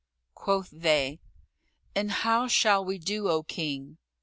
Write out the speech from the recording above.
Quoth they, "And how shall we do, O King?"